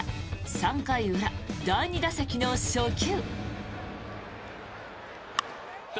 ３回裏、第２打席の初球。